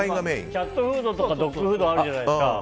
キャットフードとかドッグフードあるじゃないですか。